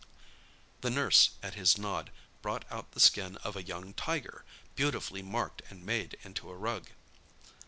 The nurse, at his nod, brought out the skin of a young tiger, beautifully marked and made into a rug.